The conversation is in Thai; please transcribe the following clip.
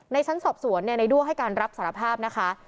ชั้นสอบสวนในด้วงให้การรับสารภาพนะคะ